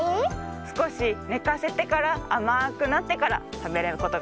すこしねかせてからあまくなってからたべることができます。